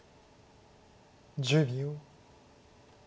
１０秒。